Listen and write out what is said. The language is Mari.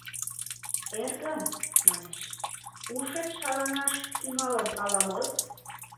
— Эргым, — манеш, — ушет шаланаш тӱҥалын ала мос?